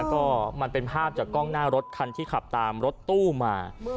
ก็มันเป็นภาพจากกล้องหน้ารถคันที่ขับตามรถตู้มา